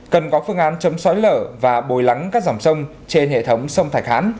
cần có phương án chấm sói lở và bồi lắng các dòng sông trên hệ thống sông thạch hán